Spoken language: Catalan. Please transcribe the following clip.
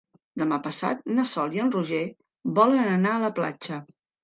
Demà passat na Sol i en Roger volen anar a la platja.